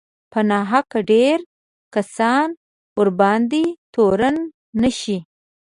په ناحقه ډېر کسان ورباندې تورن نه شي